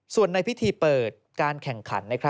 ส่วนในพิธีเปิดการแข่งขัน